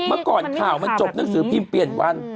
เมื่อก่อนข่าวมันจบหนังสือพิมพ์เปลี่ยนวัน